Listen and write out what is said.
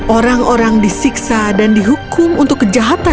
orang orang disiksa dan dihukum untuk kejahatan